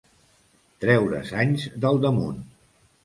Treure's anys del damunt.